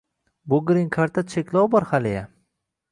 Bu «Grin kard»da cheklov bor haliyam